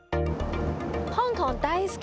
香港大好き。